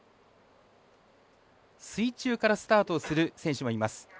水中からスタートをする選手もいます。